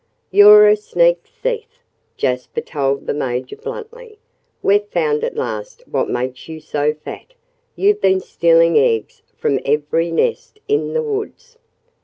"You're a sneak thief!" Jasper told the Major bluntly. "We've found at last what makes you so fat. You've been stealing eggs from every nest in the woods!"